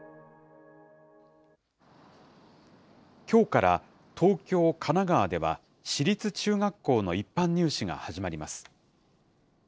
きょうから東京、神奈川では私立中学校の一般入試が始まります。